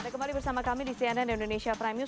ada kembali bersama kami di cnn indonesia prime news